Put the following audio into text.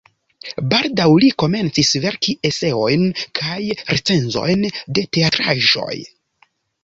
Baldaŭ li komencis verki eseojn kaj recenzojn de teatraĵoj.